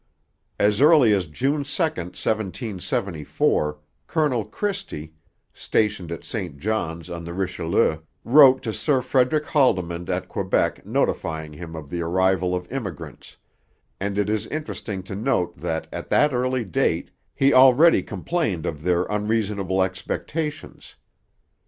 As early as June 2, 1774, Colonel Christie, stationed at St Johns on the Richelieu, wrote to Sir Frederick Haldimand at Quebec notifying him of the arrival of immigrants; and it is interesting to note that at that early date he already complained of 'their unreasonable expectations.'